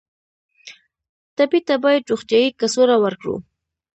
ټپي ته باید روغتیایي کڅوړه ورکړو.